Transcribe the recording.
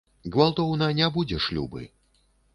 Гвалтоўна не будзеш любы.